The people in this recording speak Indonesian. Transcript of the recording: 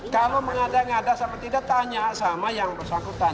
kalau mengadang adang sama tidak tanya sama yang bersangkutan